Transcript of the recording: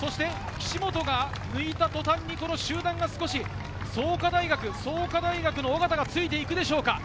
岸本が抜いた途端にこの集団が少し創価大・緒方がついていくでしょうか。